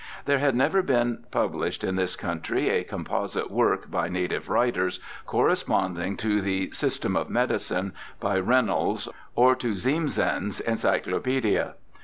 There had never been published in this country a com posite work by native writers, corresponding to the System of Medicine by Reynolds or to Ziemssen's Encyclopaedia.